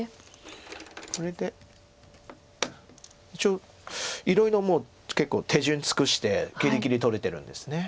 これで一応いろいろもう結構手順尽くしてぎりぎり取れてるんです。